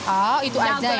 oh itu aja ya